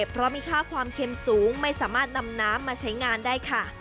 เพราะมีค่าความเค็มสูงไม่สามารถนำน้ำมาใช้งานได้ค่ะ